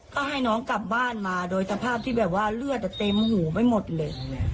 ก็ให้น้องกลับบ้านมาโดยสภาพที่แบบว่าเลือดเต็มหูไม่หมดเลย